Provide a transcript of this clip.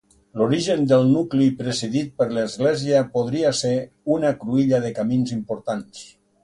L'origen del nucli presidit per l'església podria ser una cruïlla de camins importants.